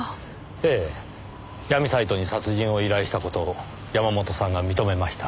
ええ闇サイトに殺人を依頼した事を山本さんが認めました。